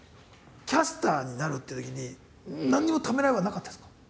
キャスターになるっていうときに何にもためらいはなかったんですか？